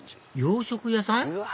洋食屋さん？